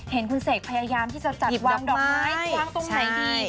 เห็นคุณเสกพยายามที่จะจัดวางดอกไม้วางตรงไหนดี